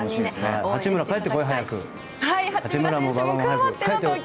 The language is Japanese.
八村、帰ってこい早く。